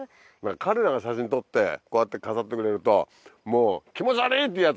彼らが写真撮ってこうやって飾ってくれるともう。